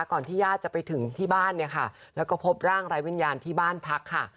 ก่อนที่ญาติจะไปถึงที่บ้านแล้วก็พบร่างรายวิญญาณที่บ้านพักค่ะ